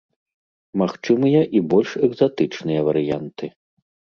Магчымыя і больш экзатычныя варыянты.